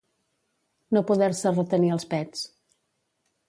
No poder-se retenir els pets.